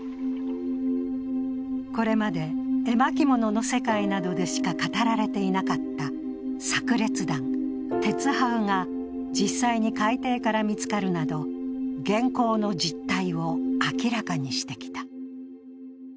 これまで絵巻物の世界などでしか語られていなかったさく裂弾・てつはうが実際に海底から見つかるなど、元寇の実態を明らかにしてきた。